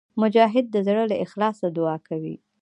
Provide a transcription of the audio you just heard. مجاهد د زړه له اخلاصه دعا کوي.